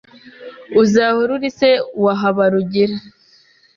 Uzahora uri se wa Habarugira.